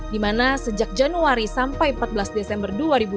di mana sejak januari sampai empat belas desember dua ribu dua puluh